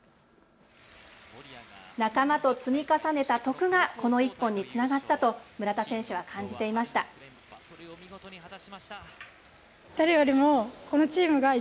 仲間と積み重ねた徳がこの一本につながったと村田選手は感じていました。